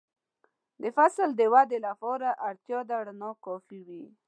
د فصل د ودې لپاره اړتیا ده چې رڼا کافي وي.